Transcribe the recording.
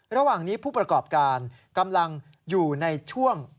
ระหว่างนี้ผู้ประกอบการกำลังอยู่ในช่วง